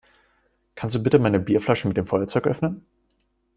Kannst du bitte meine Bierflasche mit dem Feuerzeug öffnen?